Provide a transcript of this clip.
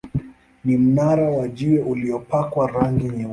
Ni mnara wa jiwe uliopakwa rangi nyeupe.